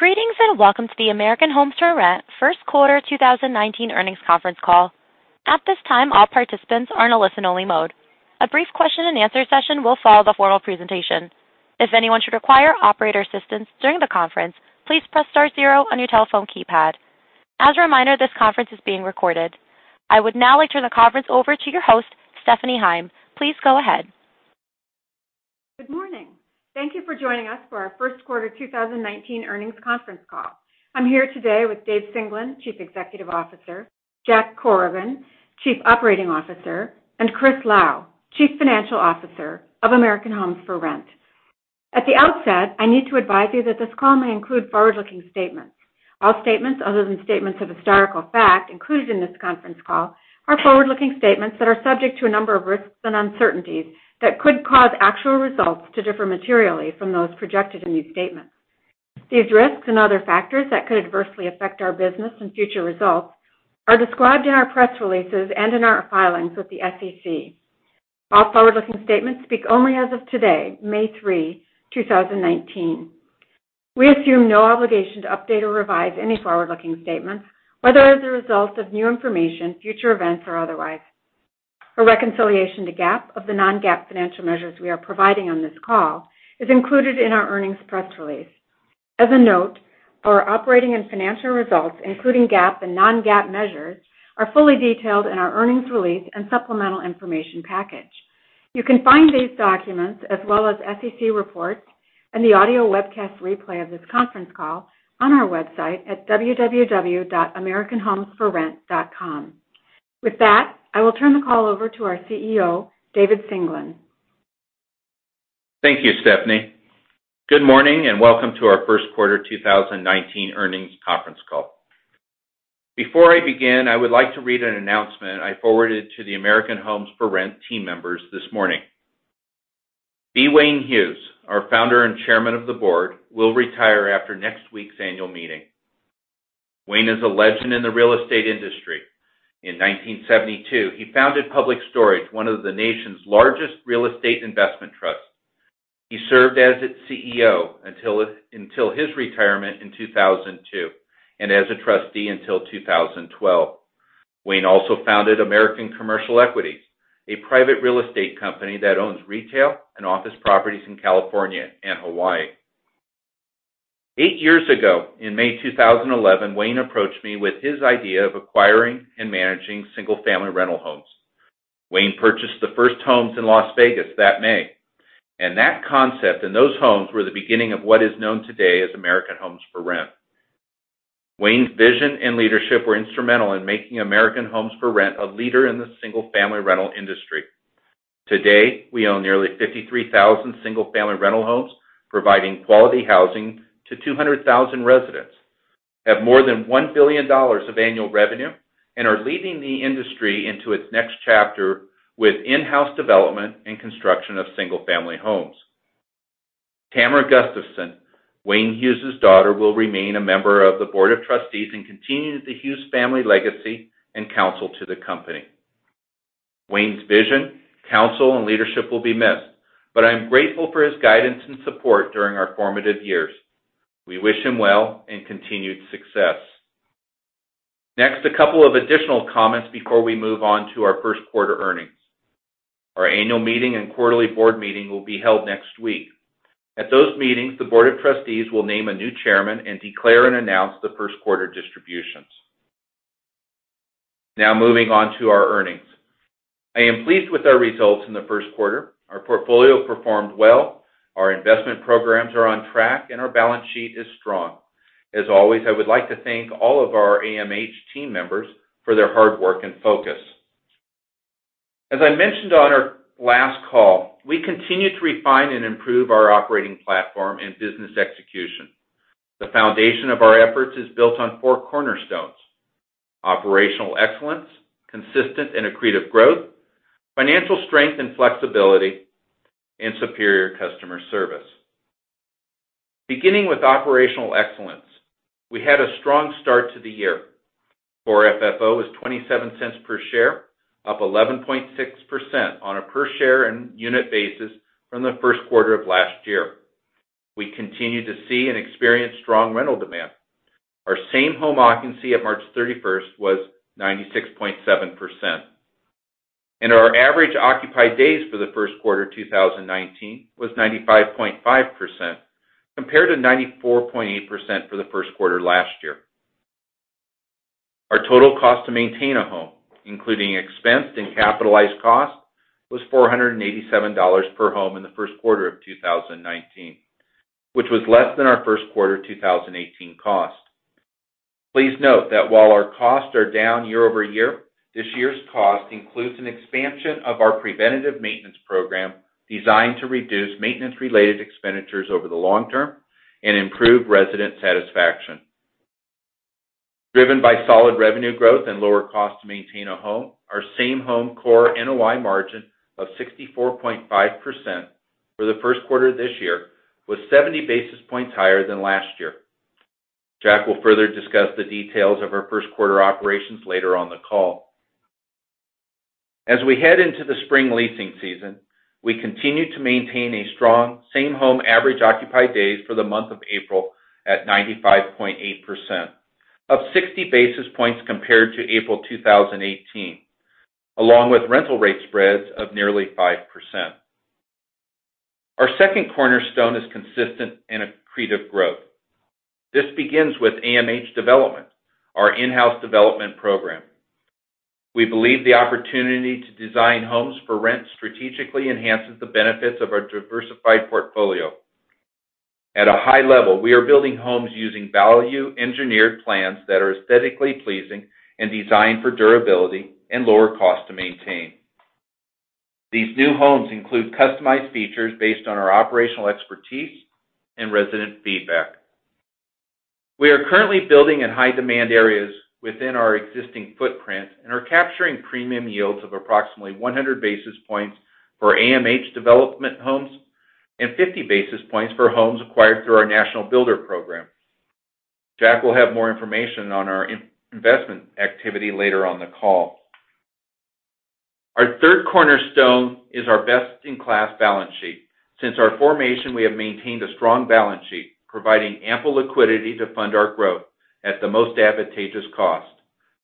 Greetings, welcome to the American Homes 4 Rent first quarter 2019 earnings conference call. At this time, all participants are in a listen-only mode. A brief question and answer session will follow the formal presentation. If anyone should require operator assistance during the conference, please press star zero on your telephone keypad. As a reminder, this conference is being recorded. I would now like to turn the conference over to your host, Stephanie Heim. Please go ahead. Good morning. Thank you for joining us for our first quarter 2019 earnings conference call. I'm here today with Dave Singelyn, Chief Executive Officer, Jack Corrigan, Chief Operating Officer, and Chris Lau, Chief Financial Officer of American Homes 4 Rent. At the outset, I need to advise you that this call may include forward-looking statements. All statements other than statements of historical fact included in this conference call are forward-looking statements that are subject to a number of risks and uncertainties that could cause actual results to differ materially from those projected in these statements. These risks and other factors that could adversely affect our business and future results are described in our press releases and in our filings with the SEC. All forward-looking statements speak only as of today, May 3, 2019. We assume no obligation to update or revise any forward-looking statements, whether as a result of new information, future events, or otherwise. A reconciliation to GAAP of the non-GAAP financial measures we are providing on this call is included in our earnings press release. As a note, our operating and financial results, including GAAP and non-GAAP measures, are fully detailed in our earnings release and supplemental information package. You can find these documents as well as SEC reports and the audio webcast replay of this conference call on our website at www.americanhomes4rent.com. With that, I will turn the call over to our CEO, David Singelyn. Thank you, Stephanie. Good morning, welcome to our first quarter 2019 earnings conference call. Before I begin, I would like to read an announcement I forwarded to the American Homes 4 Rent team members this morning. B. Wayne Hughes, our Founder and Chairman of the Board, will retire after next week's annual meeting. Wayne is a legend in the real estate industry. In 1972, he founded Public Storage, one of the nation's largest real estate investment trusts. He served as its CEO until his retirement in 2002, and as a trustee until 2012. Wayne also founded American Commercial Equities, a private real estate company that owns retail and office properties in California and Hawaii. Eight years ago, in May 2011, Wayne approached me with his idea of acquiring and managing single-family rental homes. Wayne purchased the first homes in Las Vegas that May, and that concept and those homes were the beginning of what is known today as American Homes 4 Rent. Wayne's vision and leadership were instrumental in making American Homes 4 Rent a leader in the single-family rental industry. Today, we own nearly 53,000 single-family rental homes, providing quality housing to 200,000 residents, have more than $1 billion of annual revenue, and are leading the industry into its next chapter with in-house development and construction of single-family homes. Tamara Gustavson, Wayne Hughes's daughter, will remain a member of the board of trustees and continue the Hughes family legacy and counsel to the company. Wayne's vision, counsel, and leadership will be missed, but I'm grateful for his guidance and support during our formative years. We wish him well in continued success. Next, a couple of additional comments before we move on to our first quarter earnings. Our annual meeting and quarterly board meeting will be held next week. At those meetings, the board of trustees will name a new chairman and declare and announce the first-quarter distributions. Now moving on to our earnings. I am pleased with our results in the first quarter. Our portfolio performed well, our investment programs are on track, and our balance sheet is strong. As always, I would like to thank all of our AMH team members for their hard work and focus. As I mentioned on our last call, we continue to refine and improve our operating platform and business execution. The foundation of our efforts is built on four cornerstones: operational excellence, consistent and accretive growth, financial strength and flexibility, and superior customer service. Beginning with operational excellence, we had a strong start to the year. Core FFO was $0.27 per share, up 11.6% on a per-share and unit basis from the first quarter of last year. We continue to see and experience strong rental demand. Our same home occupancy at March 31st was 96.7%. Our average occupied days for the first quarter 2019 was 95.5%, compared to 94.8% for the first quarter last year. Our total cost to maintain a home, including expensed and capitalized costs, was $487 per home in the first quarter of 2019, which was less than our first quarter 2018 cost. Please note that while our costs are down year-over-year, this year's cost includes an expansion of our preventative maintenance program designed to reduce maintenance-related expenditures over the long term and improve resident satisfaction. Driven by solid revenue growth and lower cost to maintain a home, our same home core NOI margin of 64.5% for the first quarter of this year was 70 basis points higher than last year. Jack will further discuss the details of our first quarter operations later on the call. As we head into the spring leasing season, we continue to maintain a strong same-home average occupied days for the month of April at 95.8%, up 60 basis points compared to April 2018, along with rental rate spreads of nearly 5%. Our second cornerstone is consistent and accretive growth. This begins with AMH Development, our in-house development program. We believe the opportunity to design homes for rent strategically enhances the benefits of our diversified portfolio. At a high level, we are building homes using value-engineered plans that are aesthetically pleasing and designed for durability and lower cost to maintain. These new homes include customized features based on our operational expertise and resident feedback. We are currently building in high-demand areas within our existing footprint and are capturing premium yields of approximately 100 basis points for AMH Development homes and 50 basis points for homes acquired through our national builder program. Jack will have more information on our investment activity later on the call. Our third cornerstone is our best-in-class balance sheet. Since our formation, we have maintained a strong balance sheet, providing ample liquidity to fund our growth at the most advantageous cost.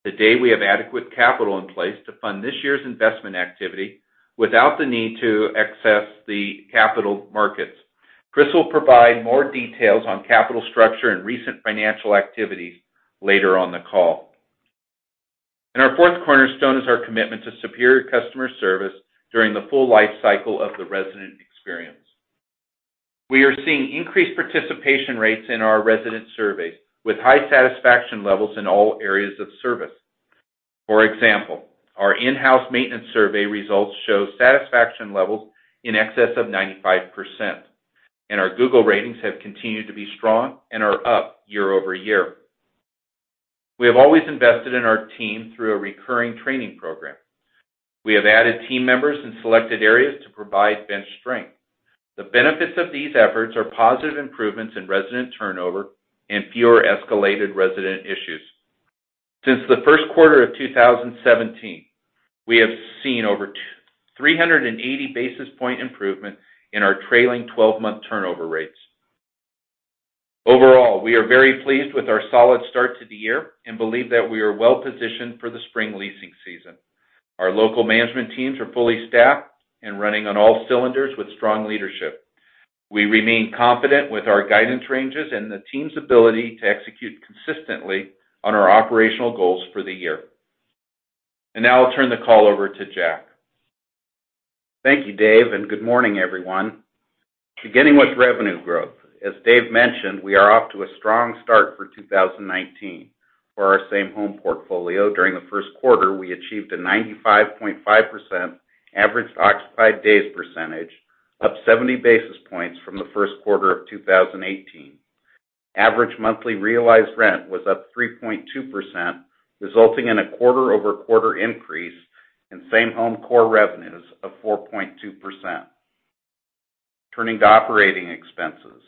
To date, we have adequate capital in place to fund this year's investment activity without the need to access the capital markets. Chris will provide more details on capital structure and recent financial activities later on the call. Our fourth cornerstone is our commitment to superior customer service during the full lifecycle of the resident experience. We are seeing increased participation rates in our resident surveys with high satisfaction levels in all areas of service. For example, our in-house maintenance survey results show satisfaction levels in excess of 95%, and our Google ratings have continued to be strong and are up year-over-year. We have always invested in our team through a recurring training program. We have added team members in selected areas to provide bench strength. The benefits of these efforts are positive improvements in resident turnover and fewer escalated resident issues. Since the first quarter of 2017, we have seen over 380 basis point improvement in our trailing 12-month turnover rates. Overall, we are very pleased with our solid start to the year and believe that we are well-positioned for the spring leasing season. Our local management teams are fully staffed and running on all cylinders with strong leadership. We remain confident with our guidance ranges and the team's ability to execute consistently on our operational goals for the year. Now I'll turn the call over to Jack. Thank you, Dave, and good morning, everyone. Beginning with revenue growth, as Dave mentioned, we are off to a strong start for 2019. For our same-home portfolio, during the first quarter, we achieved a 95.5% average occupied days percentage, up 70 basis points from the first quarter of 2018. Average monthly realized rent was up 3.2%, resulting in a quarter-over-quarter increase in same-home Core revenues of 4.2%. Turning to operating expenses.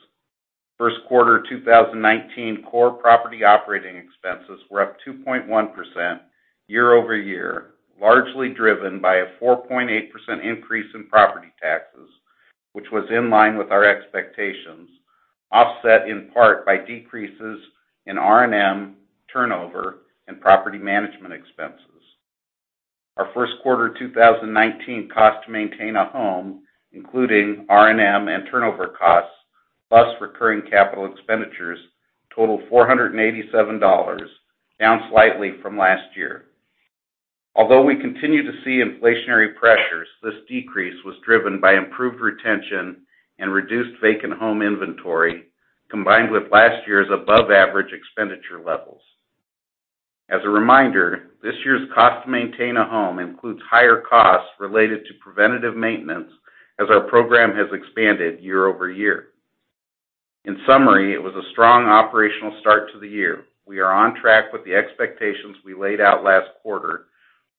First quarter 2019 Core property operating expenses were up 2.1% year-over-year, largely driven by a 4.8% increase in property taxes, which was in line with our expectations, offset in part by decreases in R&M, turnover, and property management expenses. Our first quarter 2019 cost to maintain a home, including R&M and turnover costs, plus recurring capital expenditures, totaled $487, down slightly from last year. Although we continue to see inflationary pressures, this decrease was driven by improved retention and reduced vacant home inventory, combined with last year's above-average expenditure levels. As a reminder, this year's cost to maintain a home includes higher costs related to preventative maintenance as our program has expanded year-over-year. In summary, it was a strong operational start to the year.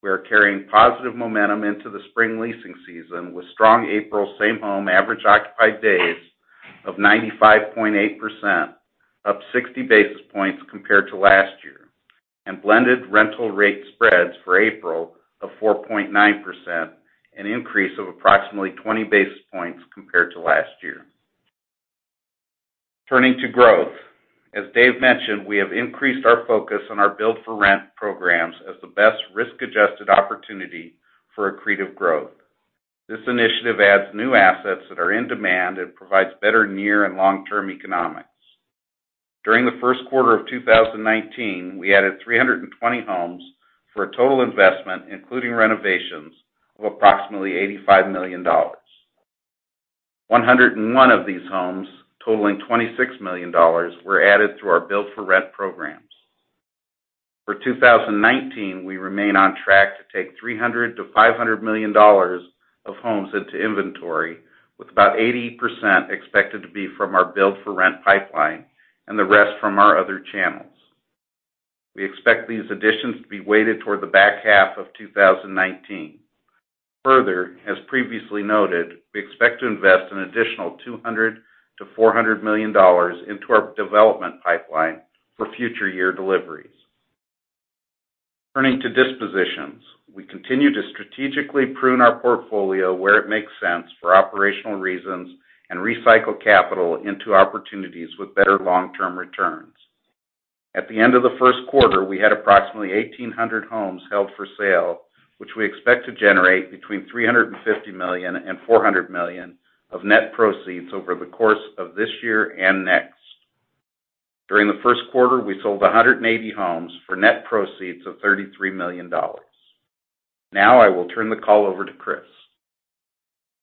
We are on track with the expectations we laid out last quarter. We are carrying positive momentum into the spring leasing season with strong April same-home average occupied days of 95.8%, up 60 basis points compared to last year, and blended rental rate spreads for April of 4.9%, an increase of approximately 20 basis points compared to last year. Turning to growth. As Dave mentioned, we have increased our focus on our build-to-rent programs as the best risk-adjusted opportunity for accretive growth. This initiative adds new assets that are in demand and provides better near and long-term economics. During the first quarter of 2019, we added 320 homes for a total investment, including renovations, of approximately $85 million. 101 of these homes, totaling $26 million, were added through our build-to-rent programs. For 2019, we remain on track to take $300 million-$500 million of homes into inventory, with about 80% expected to be from our build-to-rent pipeline and the rest from our other channels. We expect these additions to be weighted toward the back half of 2019. Further, as previously noted, we expect to invest an additional $200 million-$400 million into our development pipeline for future year deliveries. Turning to dispositions, we continue to strategically prune our portfolio where it makes sense for operational reasons and recycle capital into opportunities with better long-term returns. At the end of the first quarter, we had approximately 1,800 homes held for sale, which we expect to generate between $350 million and $400 million of net proceeds over the course of this year and next. During the first quarter, we sold 180 homes for net proceeds of $33 million. Now I will turn the call over to Chris.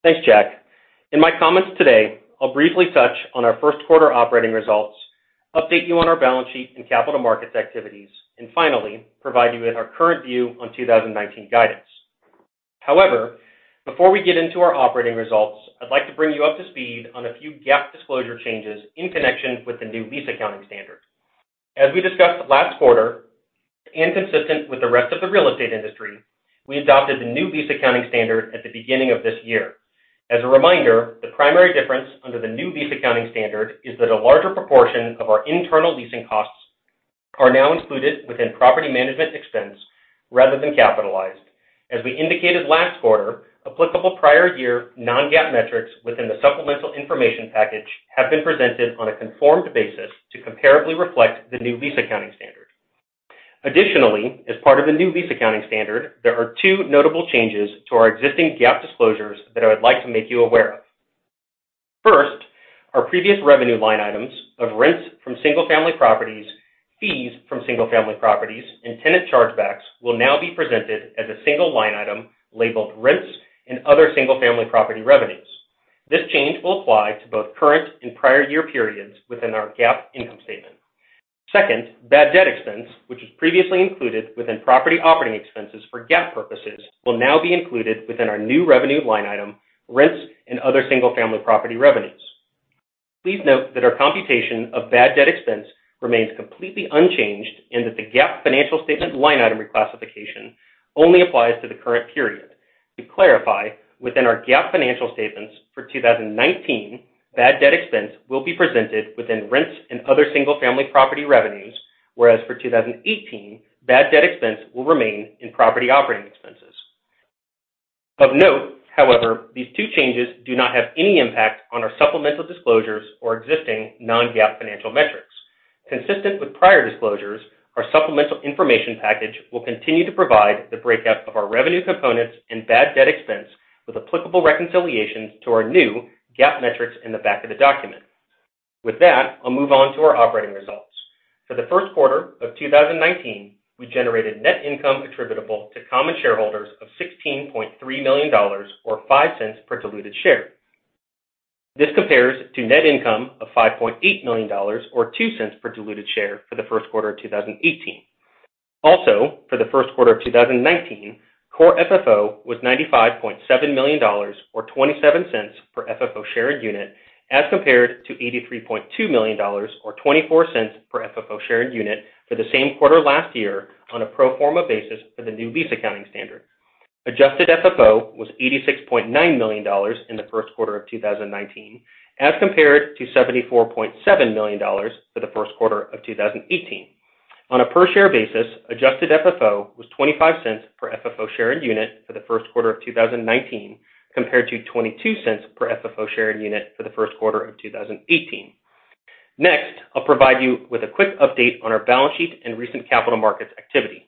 Thanks, Jack. In my comments today, I'll briefly touch on our first quarter operating results, update you on our balance sheet and capital markets activities, and finally, provide you with our current view on 2019 guidance. However, before we get into our operating results, I'd like to bring you up to speed on a few GAAP disclosure changes in connection with the new lease accounting standard. As we discussed last quarter, and consistent with the rest of the real estate industry, we adopted the new lease accounting standard at the beginning of this year. As a reminder, the primary difference under the new lease accounting standard is that a larger proportion of our internal leasing costs are now included within property management expense rather than capitalized. As we indicated last quarter, applicable prior year, non-GAAP metrics within the supplemental information package have been presented on a conformed basis to comparably reflect the new lease accounting standard. Additionally, as part of the new lease accounting standard, there are two notable changes to our existing GAAP disclosures that I would like to make you aware of. First, our previous revenue line items of rents from single-family properties, fees from single-family properties, and tenant chargebacks will now be presented as a single line item labeled Rents and Other Single Family Property Revenues. This change will apply to both current and prior year periods within our GAAP income statement. Second, bad debt expense, which was previously included within property operating expenses for GAAP purposes, will now be included within our new revenue line item, Rents and Other Single Family Property Revenues. Please note that our computation of bad debt expense remains completely unchanged, and that the GAAP financial statement line item reclassification only applies to the current period. To clarify, within our GAAP financial statements for 2019, bad debt expense will be presented within Rents and Other Single Family Property Revenues, whereas for 2018, bad debt expense will remain in property operating expenses. Of note, however, these two changes do not have any impact on our supplemental disclosures or existing non-GAAP financial metrics. Consistent with prior disclosures, our supplemental information package will continue to provide the breakout of our revenue components and bad debt expense with applicable reconciliations to our new GAAP metrics in the back of the document. With that, I'll move on to our operating results. For the first quarter of 2019, we generated net income attributable to common shareholders of $16.3 million, or $0.05 per diluted share. This compares to net income of $5.8 million, or $0.02 per diluted share for the first quarter of 2018. Also, for the first quarter of 2019, Core FFO was $95.7 million, or $0.27 per FFO shared unit, as compared to $83.2 million, or $0.24 per FFO shared unit for the same quarter last year on a pro forma basis for the new lease accounting standard. Adjusted FFO was $86.9 million in the first quarter of 2019, as compared to $74.7 million for the first quarter of 2018. On a per-share basis, Adjusted FFO was $0.25 per FFO shared unit for the first quarter of 2019, compared to $0.22 per FFO shared unit for the first quarter of 2018. Next, I'll provide you with a quick update on our balance sheet and recent capital markets activity.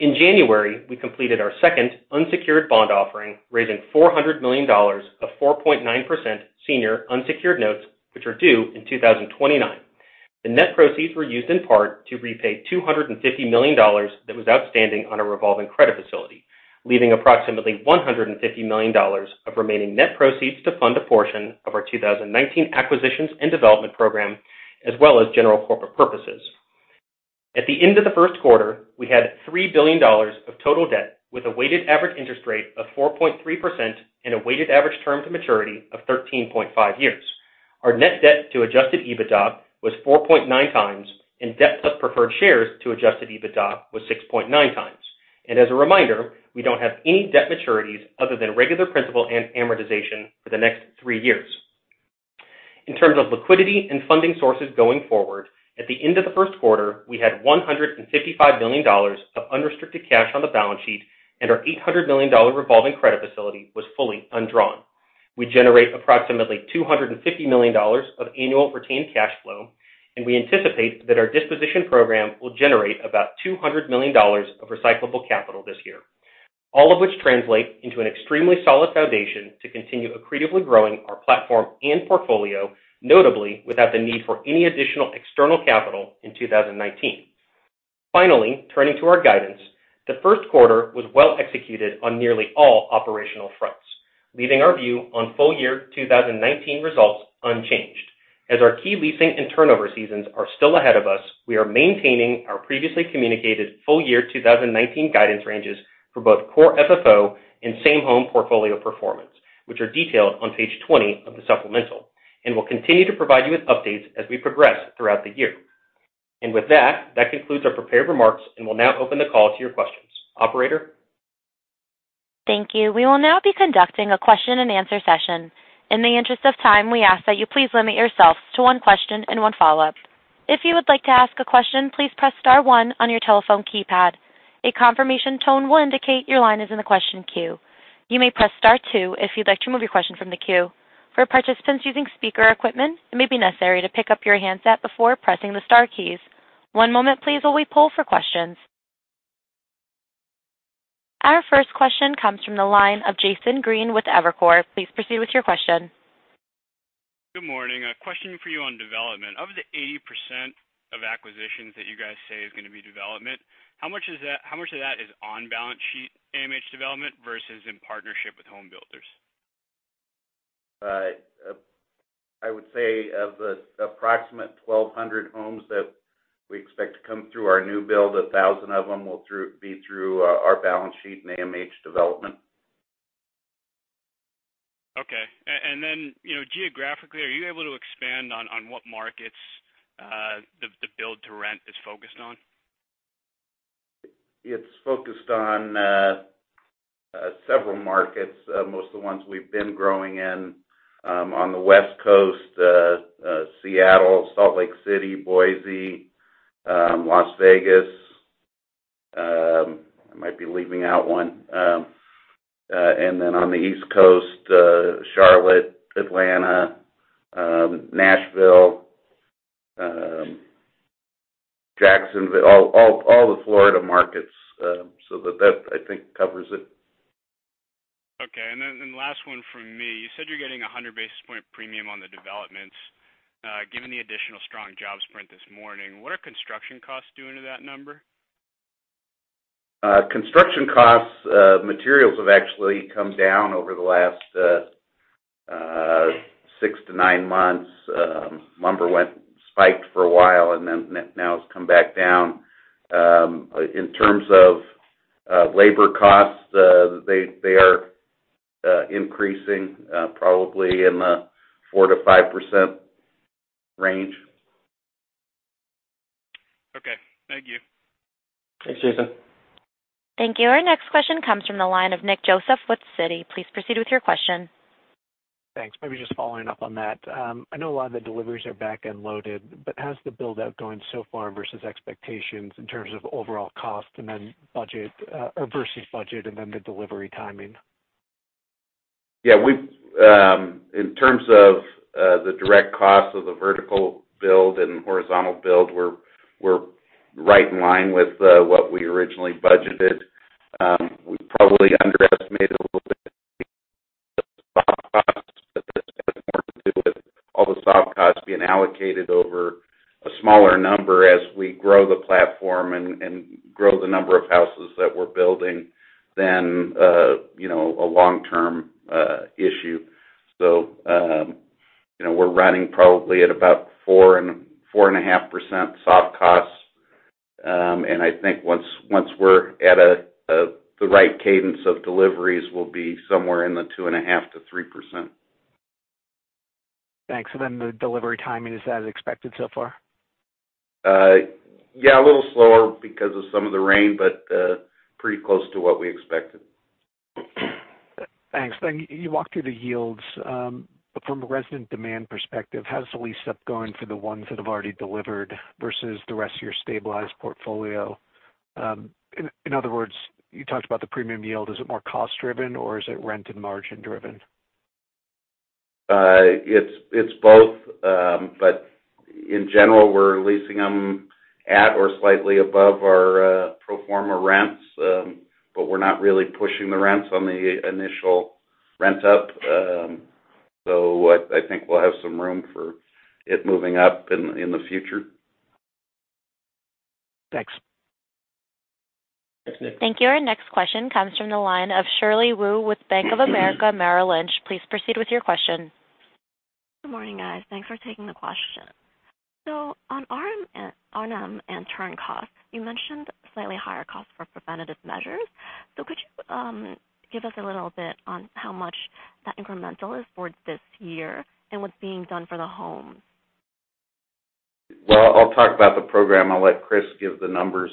In January, we completed our second unsecured bond offering, raising $400 million of 4.9% senior unsecured notes, which are due in 2029. The net proceeds were used in part to repay $250 million that was outstanding on a revolving credit facility, leaving approximately $150 million of remaining net proceeds to fund a portion of our 2019 acquisitions and development program, as well as general corporate purposes. At the end of the first quarter, we had $3 billion of total debt with a weighted average interest rate of 4.3% and a weighted average term to maturity of 13.5 years. Our net debt to Adjusted EBITDA was 4.9 times, and debt plus preferred shares to Adjusted EBITDA was 6.9 times. As a reminder, we don't have any debt maturities other than regular principal and amortization for the next three years. In terms of liquidity and funding sources going forward, at the end of the first quarter, we had $155 million of unrestricted cash on the balance sheet, and our $800 million revolving credit facility was fully undrawn. We generate approximately $250 million of annual retained cash flow, and we anticipate that our disposition program will generate about $200 million of recyclable capital this year. All of which translate into an extremely solid foundation to continue accretively growing our platform and portfolio, notably without the need for any additional external capital in 2019. Finally, turning to our guidance, the first quarter was well executed on nearly all operational fronts, leaving our view on full year 2019 results unchanged. As our key leasing and turnover seasons are still ahead of us, we are maintaining our previously communicated full year 2019 guidance ranges for both Core FFO and same home portfolio performance, which are detailed on page 20 of the supplemental, and will continue to provide you with updates as we progress throughout the year. With that concludes our prepared remarks, and we'll now open the call to your questions. Operator? Thank you. We will now be conducting a question-and-answer session. In the interest of time, we ask that you please limit yourself to one question and one follow-up. If you would like to ask a question, please press star one on your telephone keypad. A confirmation tone will indicate your line is in the question queue. You may press star two if you'd like to remove your question from the queue. For participants using speaker equipment, it may be necessary to pick up your handset before pressing the star keys. One moment please while we poll for questions. Our first question comes from the line of Jason Green with Evercore ISI. Please proceed with your question. Good morning. A question for you on development. Of the 80% of acquisitions that you guys say is going to be development, how much of that is on-balance sheet AMH Development versus in partnership with home builders? I would say of the approximate 1,200 homes that we expect to come through our new build, 1,000 of them will be through our balance sheet and AMH Development. Geographically, are you able to expand on what markets the build-to-rent is focused on? It's focused on several markets, most of the ones we've been growing in. On the West Coast, Seattle, Salt Lake City, Boise, Las Vegas. I might be leaving out one. On the East Coast, Charlotte, Atlanta, Nashville, Jacksonville, all the Florida markets. That, I think, covers it. Okay. The last one from me. You said you're getting 100-basis-point premium on the developments. Given the additional strong jobs print this morning, what are construction costs doing to that number? Construction costs, materials have actually come down over the last six to nine months. Lumber spiked for a while and then now has come back down. In terms of labor costs, they are increasing, probably in the 4%-5% range. Okay. Thank you. Thanks, Jason. Thank you. Our next question comes from the line of Nick Joseph with Citi. Please proceed with your question. Thanks. Maybe just following up on that. I know a lot of the deliveries are back-end loaded, but how's the build-out going so far versus expectations in terms of overall cost versus budget and then the delivery timing? Yeah. In terms of the direct cost of the vertical build and horizontal build, we're right in line with what we originally budgeted. We probably underestimated a little bit more to do with all the soft costs being allocated over a smaller number as we grow the platform and grow the number of houses that we're building than a long-term issue. We're running probably at about 4.5% soft costs. I think once we're at the right cadence of deliveries, we'll be somewhere in the 2.5%-3%. Thanks. The delivery timing, is that as expected so far? Yeah, a little slower because of some of the rain, but pretty close to what we expected. Thanks. You walk through the yields. From a resident demand perspective, how's the lease-up going for the ones that have already delivered versus the rest of your stabilized portfolio? In other words, you talked about the premium yield. Is it more cost-driven, or is it rent and margin-driven? It's both. In general, we're leasing them at or slightly above our pro forma rents. We're not really pushing the rents on the initial rent-up. I think we'll have some room for it moving up in the future. Thanks. Thanks, Nick. Thank you. Our next question comes from the line of Shirley Wu with Bank of America Merrill Lynch. Please proceed with your question. Good morning, guys. Thanks for taking the question. On R&M and turn costs, you mentioned slightly higher costs for preventative measures. Could you give us a little bit on how much that incremental is for this year and what's being done for the homes? Well, I'll talk about the program. I'll let Chris give the numbers.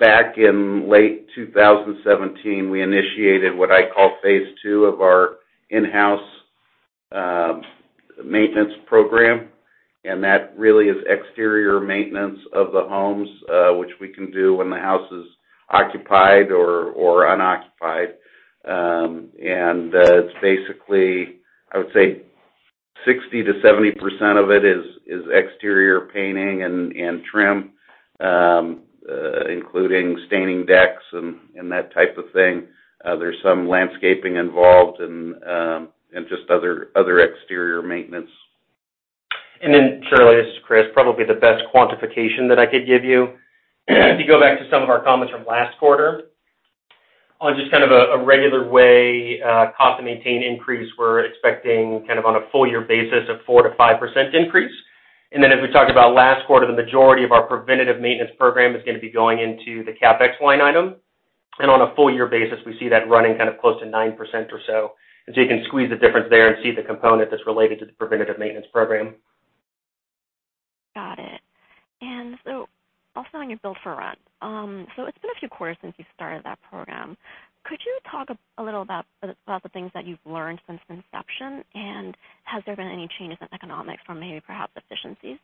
Back in late 2017, we initiated what I call phase 2 of our in-house maintenance program, that really is exterior maintenance of the homes, which we can do when the house is occupied or unoccupied. It's basically, I would say 60%-70% of it is exterior painting and trim, including staining decks and that type of thing. There's some landscaping involved and just other exterior maintenance. Shirley, this is Chris. Probably the best quantification that I could give you, if you go back to some of our comments from last quarter, on just kind of a regular way cost to maintain increase, we're expecting kind of on a full-year basis a 4%-5% increase. As we talked about last quarter, the majority of our preventative maintenance program is going to be going into the CapEx line item. On a full year basis, we see that running kind of close to 9% or so. You can squeeze the difference there and see the component that's related to the preventative maintenance program. Got it. Also on your build-to-rent. It's been a few quarters since you started that program. Could you talk a little about the things that you've learned since inception, and has there been any changes in economics from maybe perhaps efficiencies?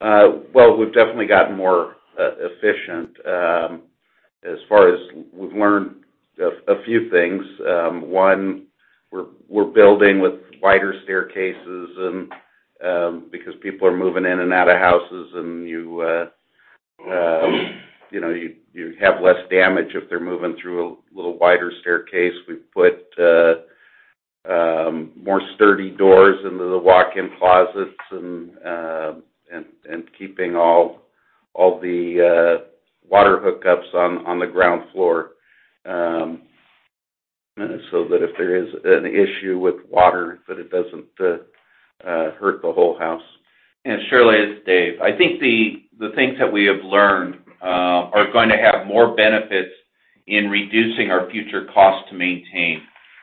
Well, we've definitely gotten more efficient. As far as we've learned a few things. One, we're building with wider staircases, because people are moving in and out of houses, and you have less damage if they're moving through a little wider staircase. We've put more sturdy doors into the walk-in closets and keeping all the water hookups on the ground floor, so that if there is an issue with water, that it doesn't hurt the whole house. Shirley, it's Dave. I think the things that we have learned are going to have more benefits in reducing our future costs to maintain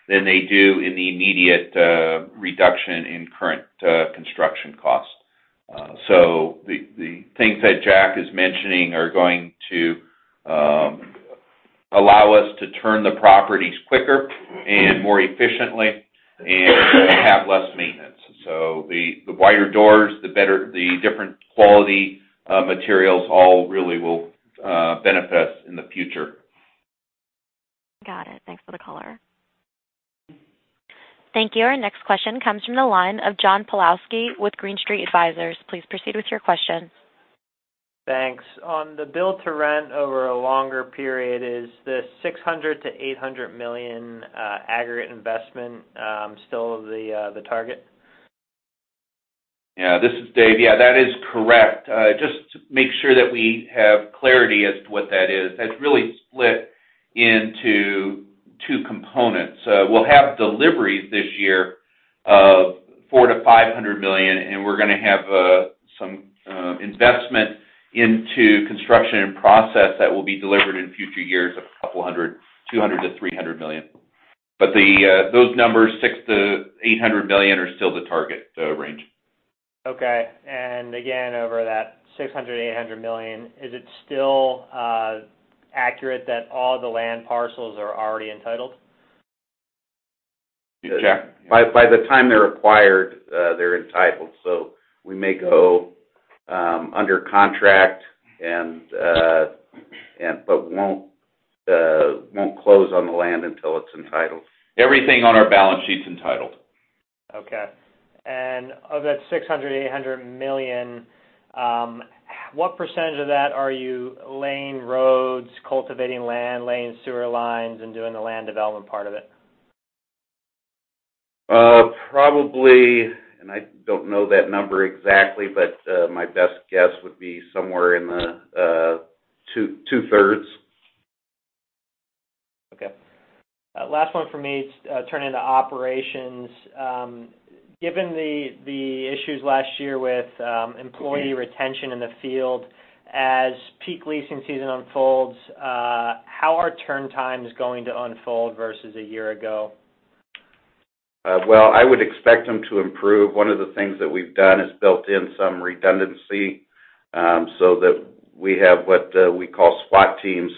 than they do in the immediate reduction in current construction costs. The things that Jack is mentioning are going to allow us to turn the properties quicker and more efficiently and have less maintenance. The wider doors, the different quality materials all really will benefit us in the future. Got it. Thanks for the color. Thank you. Our next question comes from the line of John Pawlowski with Green Street Advisors. Please proceed with your question. Thanks. On the build-to-rent over a longer period, is the $600 million-$800 million aggregate investment still the target? This is Dave. That is correct. Just to make sure that we have clarity as to what that is. That's really split into two components. We'll have deliveries this year of $400 million-$500 million, and we're going to have some investment into construction and process that will be delivered in future years of a couple hundred, $200 million-$300 million. Those numbers, $600 million-$800 million are still the target range. Okay. Again, over that $600 million-$800 million, is it still accurate that all the land parcels are already entitled? Jack? By the time they're acquired, they're entitled. We may go under contract but won't close on the land until it's entitled. Everything on our balance sheet's entitled. Okay. Of that $600 million-$800 million, what % of that are you laying roads, cultivating land, laying sewer lines, and doing the land development part of it? Probably, I don't know that number exactly, my best guess would be somewhere in the two-thirds. Okay. Last one from me, turning to operations. Given the issues last year with employee retention in the field, as peak leasing season unfolds, how are turn times going to unfold versus a year ago? Well, I would expect them to improve. One of the things that we've done is built in some redundancy so that we have what we call SWAT teams,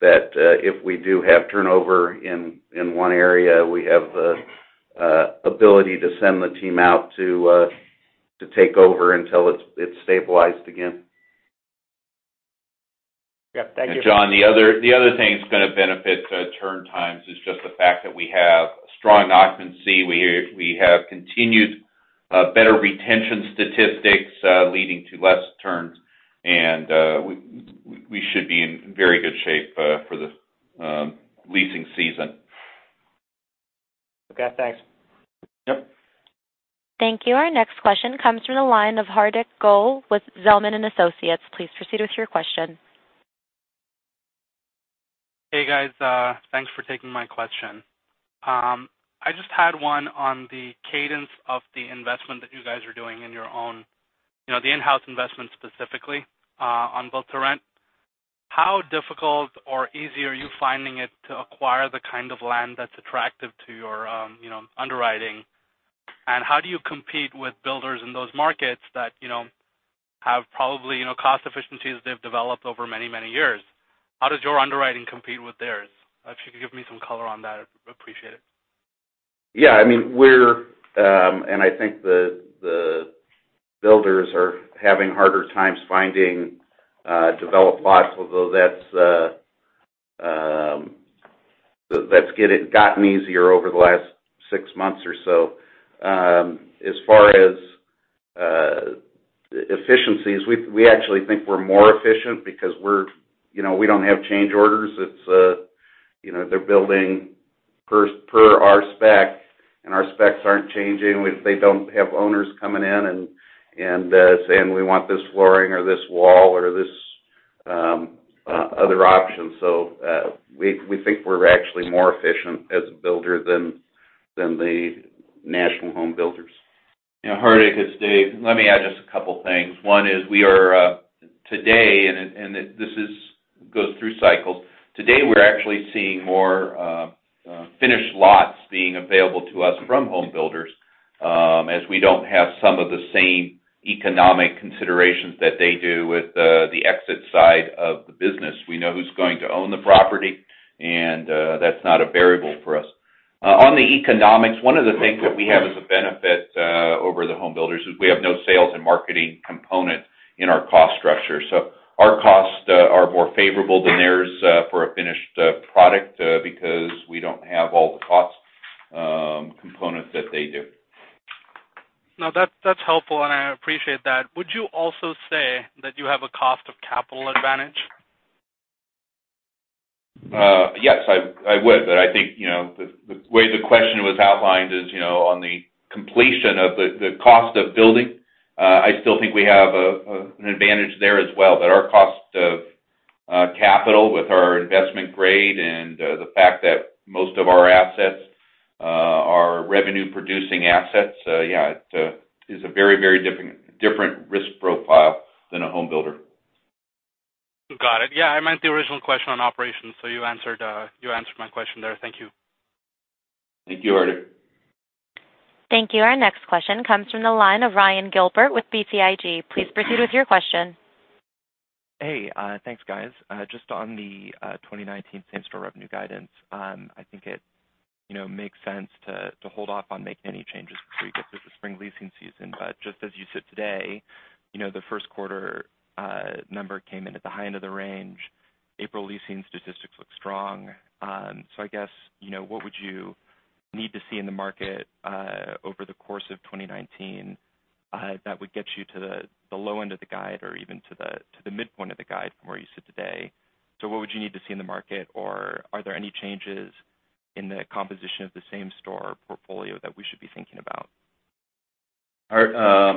that if we do have turnover in one area, we have the ability to send the team out to take over until it's stabilized again. Yep. Thank you. John, the other thing that's going to benefit turn times is just the fact that we have strong occupancy. We have continued better retention statistics leading to less turns. We should be in very good shape for the leasing season. Okay, thanks. Yep. Thank you. Our next question comes from the line of Hardik Goel with Zelman & Associates. Please proceed with your question. Hey, guys. Thanks for taking my question. I just had one on the cadence of the investment that you guys are doing in your own the in-house investment, specifically on build-to-rent. How difficult or easy are you finding it to acquire the kind of land that's attractive to your underwriting? How do you compete with builders in those markets that have probably cost efficiencies they've developed over many, many years? How does your underwriting compete with theirs? If you could give me some color on that, I'd appreciate it. Yeah. I think the builders are having harder times finding developed lots, although that's gotten easier over the last six months or so. As far as efficiencies, we actually think we're more efficient because we don't have change orders. They're building per our spec, and our specs aren't changing. They don't have owners coming in and saying, "We want this flooring or this wall or this other option." We think we're actually more efficient as a builder than the national home builders. Yeah, Hardik, it's Dave. Let me add just a couple of things. One is we are today, and this goes through cycles. Today, we're actually seeing more finished lots being available to us from home builders, as we don't have some of the same economic considerations that they do with the exit side of the business. We know who's going to own the property, and that's not a variable for us. On the economics, one of the things that we have as a benefit over the home builders is we have no sales and marketing component in our cost structure. Our costs are more favorable than theirs for a finished product because we don't have all the cost components that they do. No, that's helpful, and I appreciate that. Would you also say that you have a cost of capital advantage? Yes, I would. I think the way the question was outlined is on the completion of the cost of building. I still think we have an advantage there as well, that our cost of capital with our investment grade and the fact that most of our assets are revenue-producing assets. Yeah, it is a very different risk profile than a home builder. Got it. Yeah, I meant the original question on operations. You answered my question there. Thank you. Thank you, Hardik. Thank you. Our next question comes from the line of Ryan Gilbert with BTIG. Please proceed with your question. Hey, thanks, guys. Just on the 2019 same-store revenue guidance. I think it makes sense to hold off on making any changes until you get through the spring leasing season. Just as you sit today, the first quarter number came in at the high end of the range. April leasing statistics look strong. I guess, what would you need to see in the market over the course of 2019 that would get you to the low end of the guide or even to the midpoint of the guide from where you sit today? What would you need to see in the market, or are there any changes in the composition of the same-store portfolio that we should be thinking about?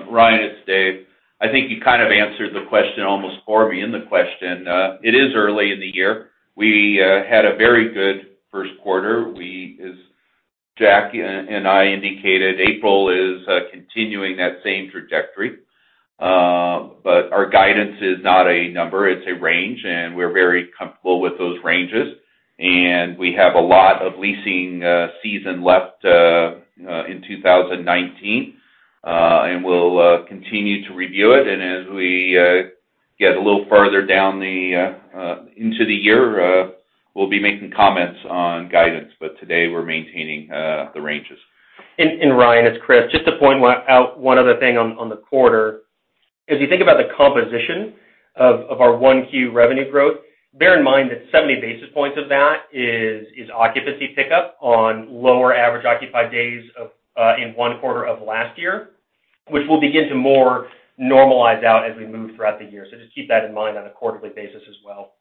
Ryan, it's Dave. I think you kind of answered the question almost for me in the question. It is early in the year. We had a very good first quarter. As Jackie and I indicated, April is continuing that same trajectory. Our guidance is not a number, it's a range, and we're very comfortable with those ranges. We have a lot of leasing season left in 2019. We'll continue to review it, and as we get a little further down into the year, we'll be making comments on guidance. Today, we're maintaining the ranges. Ryan, it's Chris. Just to point out one other thing on the quarter. As you think about the composition of our 1Q revenue growth, bear in mind that 70 basis points of that is occupancy pickup on lower average occupied days in one quarter of last year, which will begin to more normalize out as we move throughout the year. Just keep that in mind on a quarterly basis as well.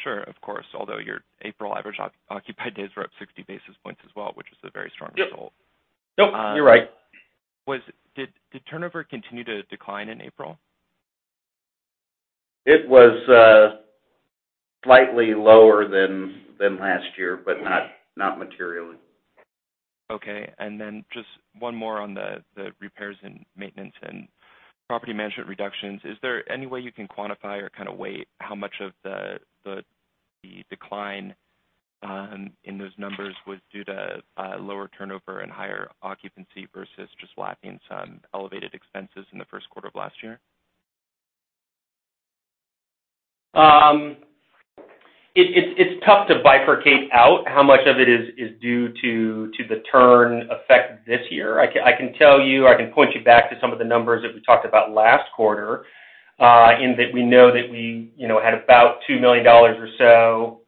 Sure, of course. Although your April average occupied days were up 60 basis points as well, which is a very strong result. Yep. You're right. Did turnover continue to decline in April? It was slightly lower than last year, but not materially. Okay. Then just one more on the repairs and maintenance and property management reductions. Is there any way you can quantify or kind of weigh how much of the decline in those numbers was due to lower turnover and higher occupancy versus just lapping some elevated expenses in the first quarter of last year? It's tough to bifurcate out how much of it is due to the turn effect this year. I can tell you, I can point you back to some of the numbers that we talked about last quarter, in that we know that we had about $2 million or so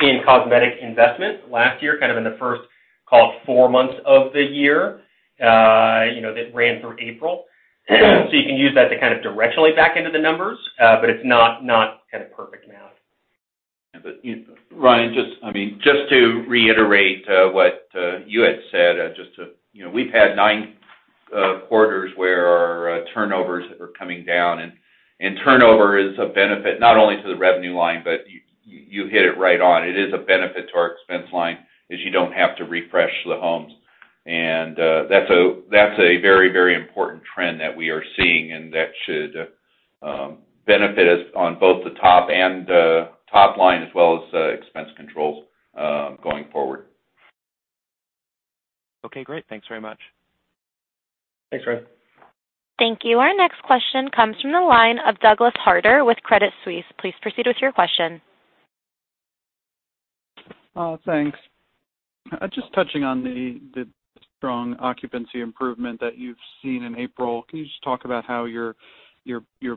in cosmetic investment last year, kind of in the first call it four months of the year that ran through April. You can use that to kind of directionally back into the numbers. It's not kind of perfect math. Ryan, just to reiterate what you had said, we've had nine quarters where our turnovers are coming down, and turnover is a benefit not only to the revenue line, but you hit it right on. It is a benefit to our expense line as you don't have to refresh the homes. That's a very important trend that we are seeing, and that should benefit us on both the top line as well as expense controls going forward. Okay, great. Thanks very much. Thanks, Ryan. Thank you. Our next question comes from the line of Douglas Harter with Credit Suisse. Please proceed with your question. Thanks. Just touching on the strong occupancy improvement that you've seen in April, can you just talk about how you're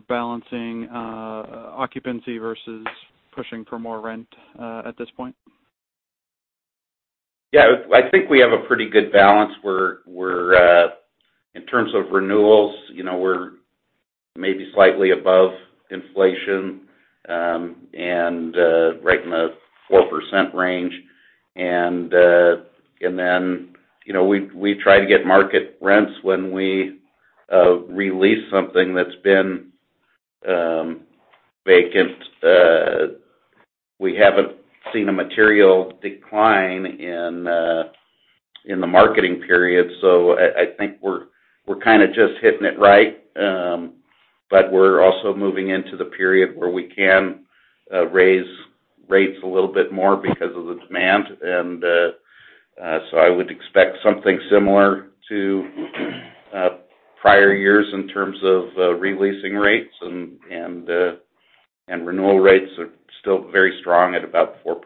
balancing occupancy versus pushing for more rent at this point? Yeah, I think we have a pretty good balance. In terms of renewals, we're maybe slightly above inflation, and right in the 4% range. Then we try to get market rents when we release something that's been vacant for We haven't seen a material decline in the marketing period, so I think we're kind of just hitting it right. We're also moving into the period where we can raise rates a little bit more because of the demand. I would expect something similar to prior years in terms of re-leasing rates, and renewal rates are still very strong at about 4%.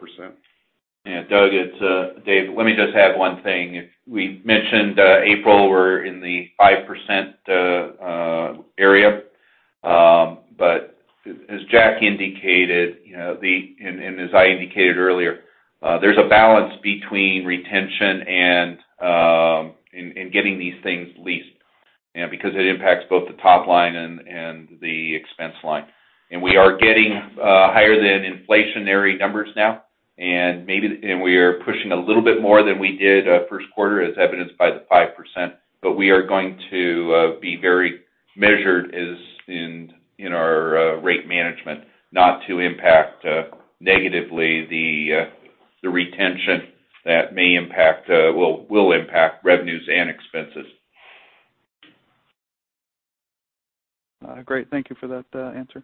Doug, it's Dave. Let me just add one thing. We mentioned April, we're in the 5% area. As Jack indicated, and as I indicated earlier, there's a balance between retention and getting these things leased, because it impacts both the top line and the expense line. We are getting higher than inflationary numbers now, and we are pushing a little bit more than we did first quarter, as evidenced by the 5%. We are going to be very measured in our rate management, not to impact negatively the retention that will impact revenues and expenses. Great. Thank you for that answer.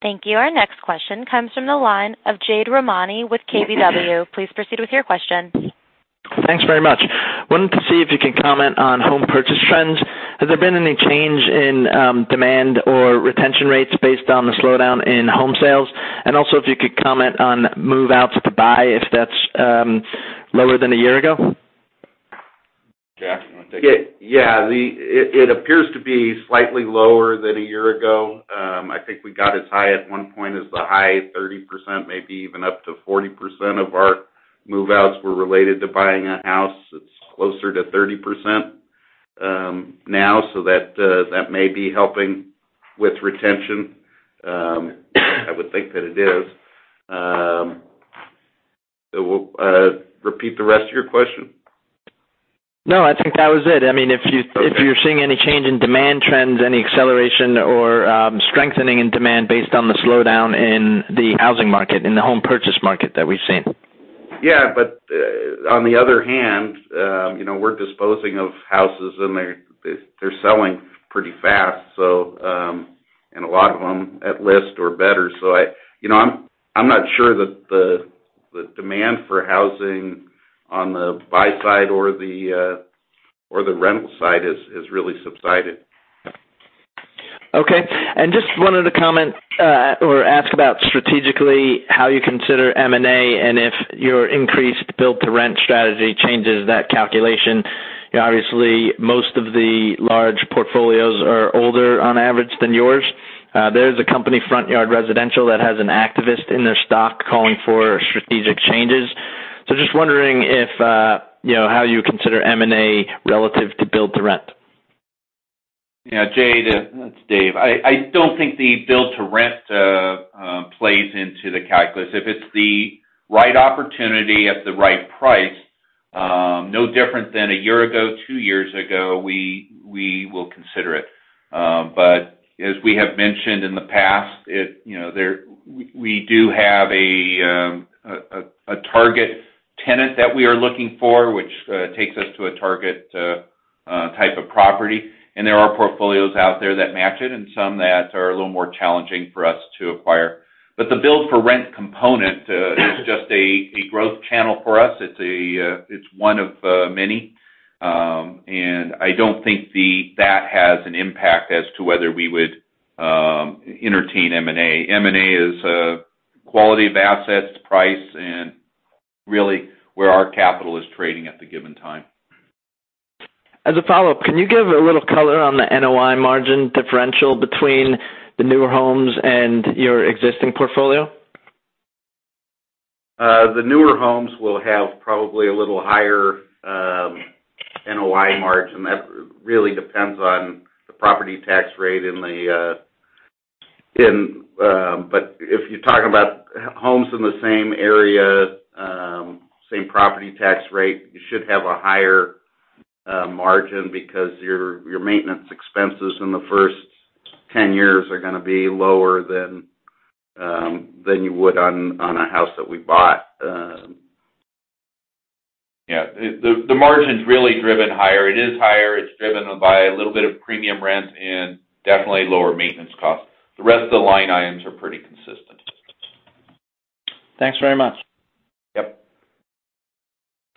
Thank you. Our next question comes from the line of Jade Rahmani with KBW. Please proceed with your question. Thanks very much. Wanted to see if you could comment on home purchase trends. Has there been any change in demand or retention rates based on the slowdown in home sales? Also, if you could comment on move-outs to buy, if that's lower than a year ago? Jack, you want to take it? Yeah. It appears to be slightly lower than a year ago. I think we got as high at one point as the high 30%, maybe even up to 40% of our move-outs were related to buying a house. It's closer to 30% now, so that may be helping with retention. I would think that it is. Repeat the rest of your question. No, I think that was it. If you're seeing any change in demand trends, any acceleration or strengthening in demand based on the slowdown in the housing market, in the home purchase market that we've seen? Yeah, on the other hand, we're disposing of houses and they're selling pretty fast, and a lot of them at list or better. I'm not sure that the demand for housing on the buy side or the rental side has really subsided. Okay. Just wanted to comment or ask about strategically how you consider M&A and if your increased build-to-rent strategy changes that calculation. Obviously, most of the large portfolios are older on average than yours. There is a company, Front Yard Residential, that has an activist in their stock calling for strategic changes. Just wondering how you consider M&A relative to build-to-rent. Yeah, Jade, it's Dave. I don't think the build-to-rent plays into the calculus. If it's the right opportunity at the right price, no different than a year ago, two years ago, we will consider it. As we have mentioned in the past, we do have a target tenant that we are looking for, which takes us to a target type of property, and there are portfolios out there that match it and some that are a little more challenging for us to acquire. But the build-for-rent component is just a growth channel for us. It's one of many. I don't think that has an impact as to whether we would entertain M&A. M&A is quality of assets, price, and really where our capital is trading at the given time. As a follow-up, can you give a little color on the NOI margin differential between the newer homes and your existing portfolio? The newer homes will have probably a little higher NOI margin. That really depends on the property tax rate. If you're talking about homes in the same area, same property tax rate, you should have a higher margin because your maintenance expenses in the first 10 years are going to be lower than you would on a house that we bought. Yeah. The margin's really driven higher. It is higher. It's driven by a little bit of premium rent and definitely lower maintenance costs. The rest of the line items are pretty consistent. Thanks very much.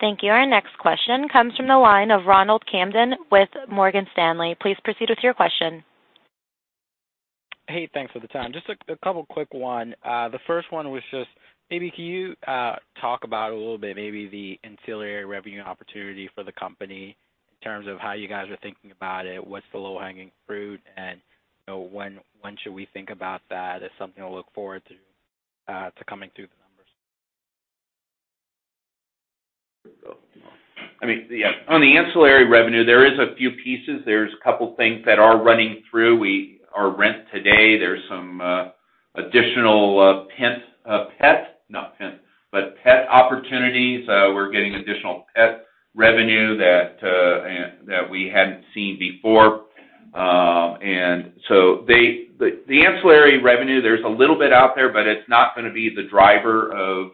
Yep. Thank you. Our next question comes from the line of Ronald Kamdem with Morgan Stanley. Please proceed with your question. Hey, thanks for the time. Just a couple quick one. The first one was just maybe can you talk about, a little bit maybe, the ancillary revenue opportunity for the company in terms of how you guys are thinking about it? What's the low-hanging fruit, and when should we think about that as something to look forward to coming through the numbers? On the ancillary revenue, there is a few pieces. There's a couple things that are running through our rent today. There's some additional pet opportunities, we're getting additional pet revenue that we hadn't seen before. The ancillary revenue, there's a little bit out there, but it's not going to be the driver of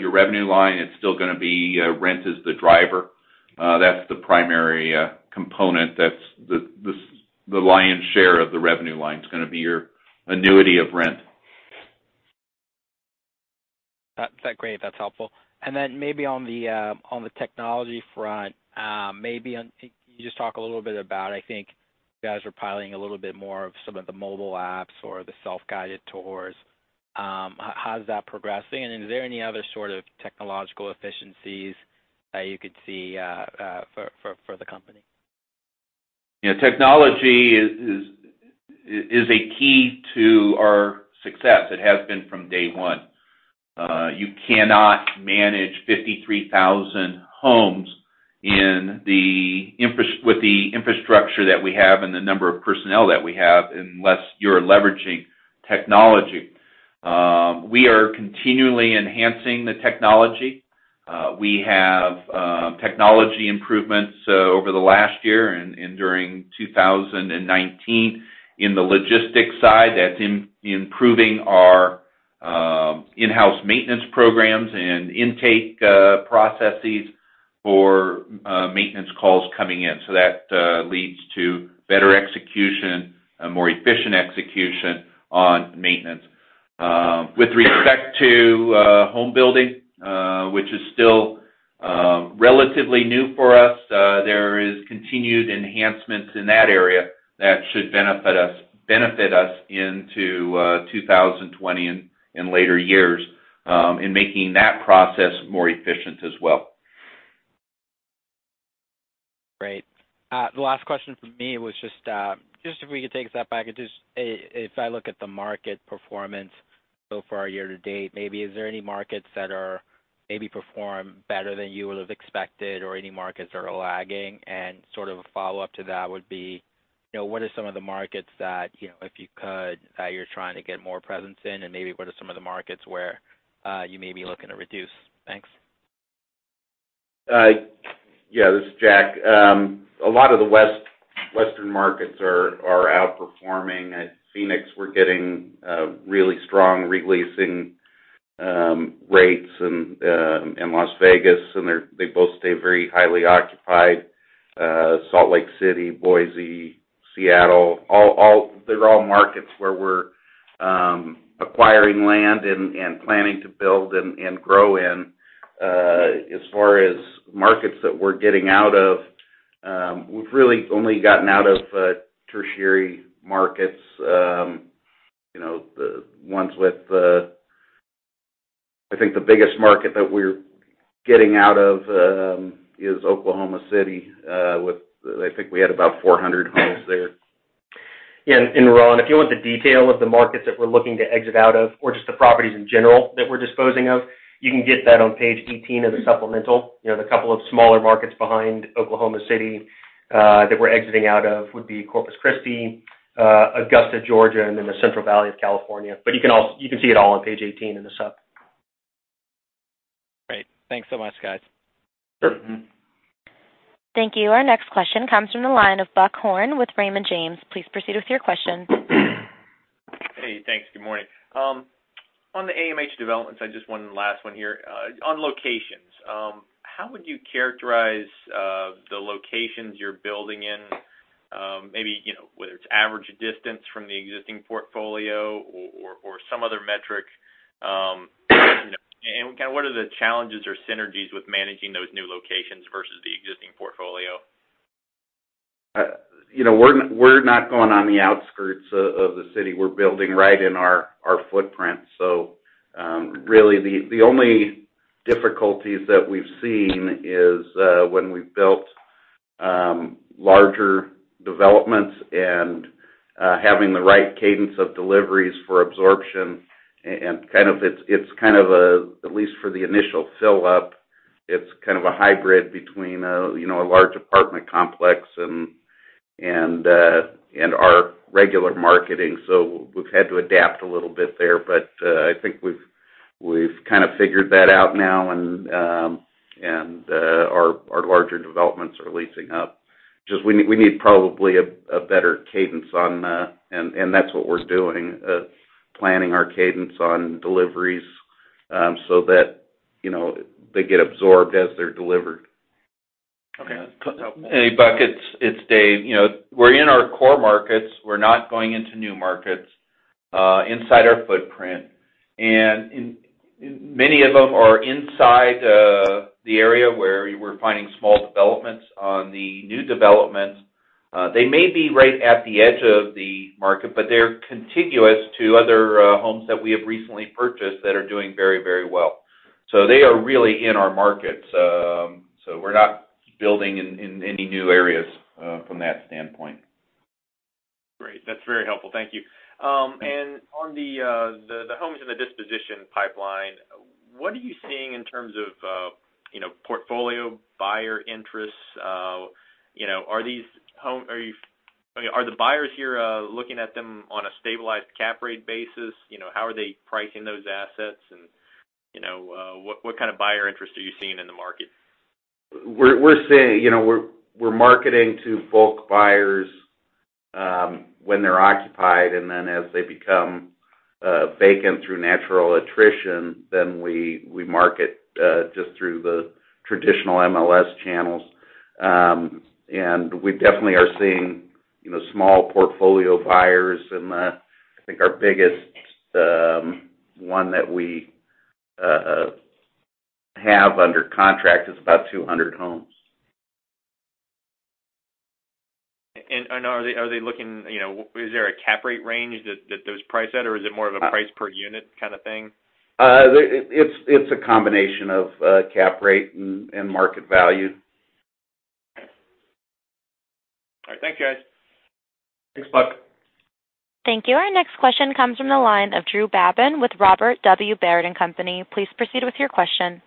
your revenue line. It's still going to be rent as the driver. That's the primary component. The lion's share of the revenue line is going to be your annuity of rent. That's great. That's helpful. Maybe on the technology front, maybe can you just talk a little bit about, I think you guys are piloting a little bit more of some of the mobile apps or the self-guided tours. How's that progressing? Is there any other sort of technological efficiencies that you could see for the company? Yeah. Technology is a key to our success. It has been from day one. You cannot manage 53,000 homes with the infrastructure that we have and the number of personnel that we have, unless you're leveraging technology. We are continually enhancing the technology. We have technology improvements over the last year and during 2019 in the logistics side, that's improving our in-house maintenance programs and intake processes for maintenance calls coming in. That leads to better execution, a more efficient execution on maintenance. With respect to home building, which is still relatively new for us, there is continued enhancements in that area that should benefit us into 2020 and later years in making that process more efficient as well. Great. The last question from me was just if we could take a step back and just if I look at the market performance so far year to date, maybe is there any markets that are maybe perform better than you would have expected or any markets that are lagging? Sort of a follow-up to that would be what are some of the markets that, if you could, that you're trying to get more presence in, and maybe what are some of the markets where you may be looking to reduce? Thanks. Yeah. This is Jack. A lot of the Western markets are outperforming. At Phoenix, we're getting really strong re-leasing rates, Las Vegas, they both stay very highly occupied. Salt Lake City, Boise, Seattle, they're all markets where we're acquiring land and planning to build and grow in. As far as markets that we're getting out of, we've really only gotten out of tertiary markets, the ones with I think the biggest market that we're getting out of is Oklahoma City, with I think we had about 400 homes there. Yeah. Ron, if you want the detail of the markets that we're looking to exit out of, or just the properties in general that we're disposing of, you can get that on page 18 of the supplemental. The couple of smaller markets behind Oklahoma City that we're exiting out of would be Corpus Christi, Augusta, Georgia, the Central Valley of California. You can see it all on page 18 in the sup. Great. Thanks so much, guys. Sure. Thank you. Our next question comes from the line of Buck Horne with Raymond James. Please proceed with your question. Hey, thanks. Good morning. On the AMH developments, I just one last one here. On locations, how would you characterize the locations you're building in? Maybe, whether it's average distance from the existing portfolio or some other metric. What are the challenges or synergies with managing those new locations versus the existing portfolio? We're not going on the outskirts of the city. We're building right in our footprint. Really, the only difficulties that we've seen is when we've built larger developments and having the right cadence of deliveries for absorption, it's kind of a, at least for the initial fill-up, it's kind of a hybrid between a large apartment complex and our regular marketing. We've had to adapt a little bit there, but I think we've kind of figured that out now, our larger developments are leasing up. That's what we're doing, planning our cadence on deliveries, so that they get absorbed as they're delivered. Okay. Hey, Buck, it's Dave. We're in our core markets. We're not going into new markets inside our footprint. Many of them are inside the area where we're finding small developments. On the new developments, they may be right at the edge of the market, but they're contiguous to other homes that we have recently purchased that are doing very well. They are really in our markets. We're not building in any new areas from that standpoint. Great. That's very helpful. Thank you. On the homes in the disposition pipeline, what are you seeing in terms of portfolio buyer interest? Are the buyers here looking at them on a stabilized cap rate basis? How are they pricing those assets, and what kind of buyer interest are you seeing in the market? We're marketing to bulk buyers when they're occupied, then as they become vacant through natural attrition, then we market just through the traditional MLS channels. We definitely are seeing small portfolio buyers, and I think our biggest one that we have under contract is about 200 homes. Is there a cap rate range that those price at, or is it more of a price per unit kind of thing? It's a combination of cap rate and market value. Okay. All right. Thank you, guys. Thanks, Buck. Thank you. Our next question comes from the line of Drew Babin with Robert W. Baird & Co.. Please proceed with your question.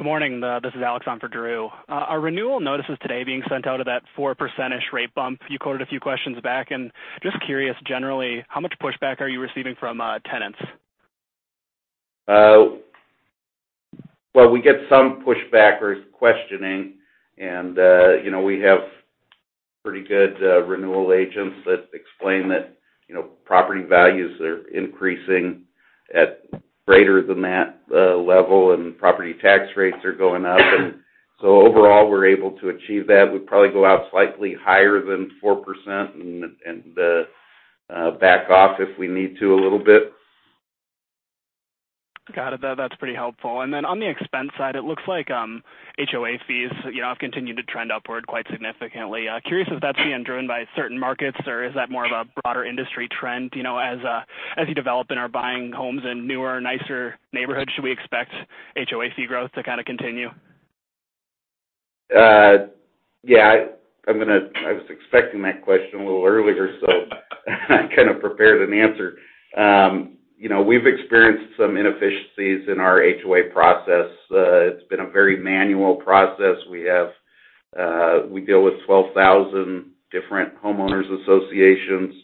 Good morning. This is Alex on for Drew. Are renewal notices today being sent out at that four % rate bump you quoted a few questions back? Just curious, generally, how much pushback are you receiving from tenants? Well, we get some pushback or questioning. We have pretty good renewal agents that explain that property values are increasing at greater than that level, and property tax rates are going up. Overall, we're able to achieve that. We probably go out slightly higher than 4% and back off if we need to a little bit. Got it. That's pretty helpful. On the expense side, it looks like HOA fees have continued to trend upward quite significantly. Curious if that's being driven by certain markets, or is that more of a broader industry trend as you develop and are buying homes in newer, nicer neighborhoods? Should we expect HOA fee growth to kind of continue? Yeah. I was expecting that question a little earlier, so I kind of prepared an answer. We've experienced some inefficiencies in our HOA process. It's been a very manual process. We deal with 12,000 different homeowners associations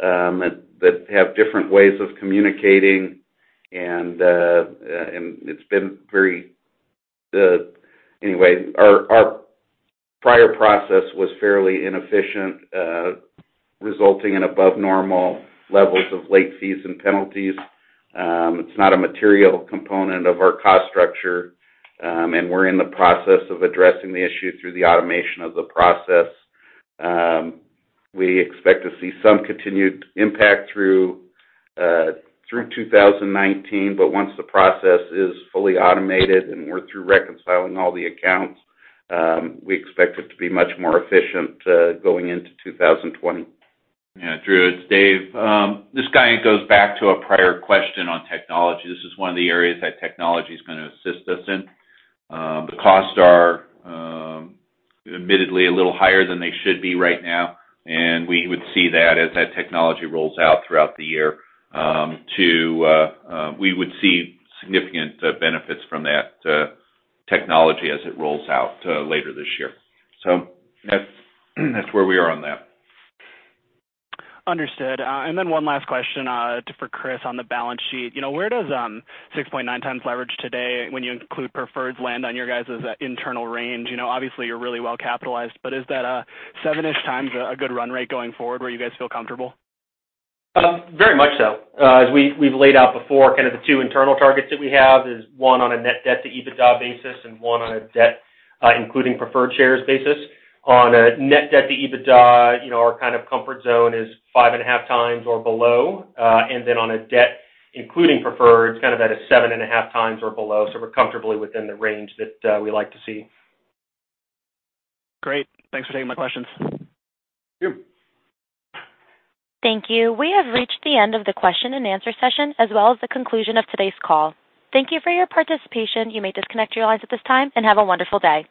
that have different ways of communicating. Anyway, our prior process was fairly inefficient, resulting in above normal levels of late fees and penalties. It's not a material component of our cost structure. We're in the process of addressing the issue through the automation of the process. We expect to see some continued impact through 2019, but once the process is fully automated and we're through reconciling all the accounts, we expect it to be much more efficient going into 2020. Yeah, Alex, it's Dave. This kind of goes back to a prior question on technology. This is one of the areas that technology is going to assist us in. The costs are admittedly a little higher than they should be right now. We would see significant benefits from that technology as it rolls out later this year. That's where we are on that. Understood. One last question for Chris on the balance sheet. Where does 6.9 times leverage today when you include preferreds land on your guys' internal range? Obviously, you're really well-capitalized, but is that 7-ish times a good run rate going forward where you guys feel comfortable? Very much so. As we've laid out before, kind of the two internal targets that we have is one on a net debt to EBITDA basis and one on a debt including preferred shares basis. On a net debt to EBITDA, our kind of comfort zone is five and a half times or below. On a debt including preferreds, kind of at a seven and a half times or below. We're comfortably within the range that we like to see. Great. Thanks for taking my questions. Thank you. Thank you. We have reached the end of the question and answer session as well as the conclusion of today's call. Thank you for your participation. You may disconnect your lines at this time, and have a wonderful day.